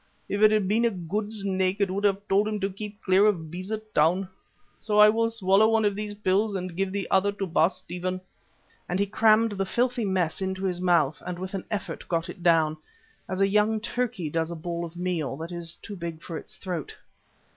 If it had been a good Snake, it would have told him to keep clear of Beza Town, so I will swallow one of these pills and give the other to the Baas Stephen," and he crammed the filthy mess into his mouth and with an effort got it down, as a young turkey does a ball of meal that is too big for its throat.